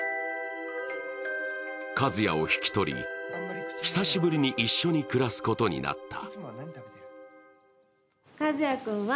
一也を引き取り、久しぶりに一緒に暮らすことになった。